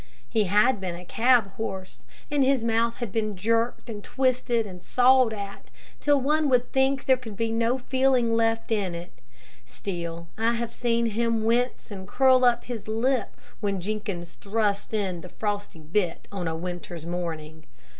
He had been a cab horse, and his mouth had been jerked, and twisted, and sawed at, till one would think there could be no feeling left in it; still I have seen him wince and curl up his lip when Jenkins thrust in the frosty bit on a winter's morning.